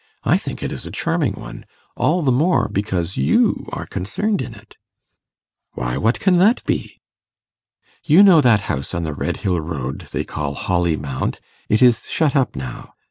I think it a charming one all the more, because you are concerned in it.' 'Why, what can that be?' 'You know that house on the Redhill road they call Holly Mount; it is shut up now.